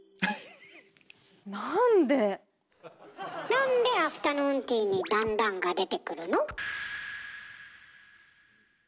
なんでアフタヌーンティーに段々が出てくるの？